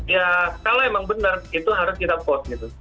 ya kalau emang benar itu harus kita post gitu